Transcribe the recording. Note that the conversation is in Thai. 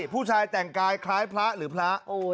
ผู้ชายแต่งกายคล้ายพระหรือพระ